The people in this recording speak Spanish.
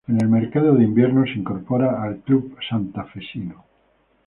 En el mercado de invierno se incorpora al club santafesino.